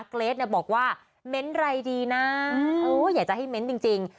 เกรทบอกว่าเม้นไรดีนะอยากจะให้เม้นต์จริง